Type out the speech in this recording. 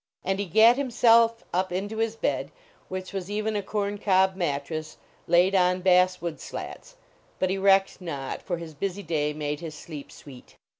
And he gat himself up into his bed, which was even a corn cob mattress laid on bass wood slats, but he recked not, for his busy day made his sleep sweet.